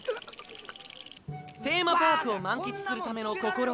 テーマパークを満喫するための心得